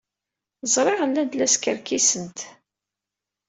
Ẓriɣ llant la skerkisent!